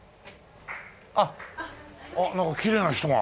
なんかきれいな人が。